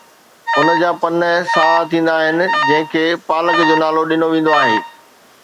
ان جا پن سائا ٿيندا آهن، جنهن کي پالڪ جو نالو ڏنو ويندو آهي.